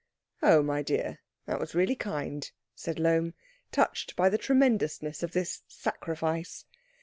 "Oh, my dear, that was really kind," said Lohm, touched by the tremendousness of this sacrifice.